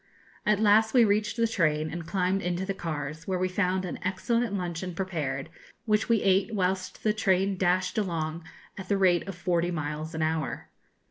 At last we reached the train, and climbed into the cars, where we found an excellent luncheon prepared, which we ate whilst the train dashed along at the rate of forty miles an hour.